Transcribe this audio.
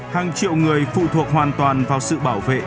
hàng triệu người phụ thuộc hoàn toàn vào sự bảo vệ